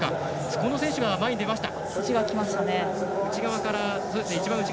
この選手、前に出ました。